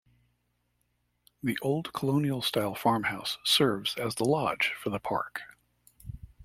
The old colonial-style farmhouse serves as the lodge for the park.